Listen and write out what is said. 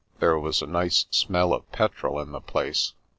There was a nice smell of petrol in the place.